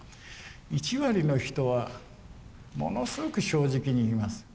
１割の人はものすごく正直に言います。